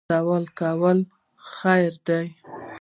سوله کول خیر دی